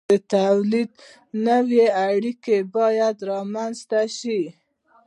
د تولید نوې اړیکې باید رامنځته شي.